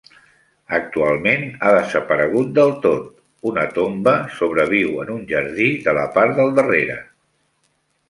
Actualment ha desaparegut del tot; una tomba sobreviu en un jardí de la part de darrere.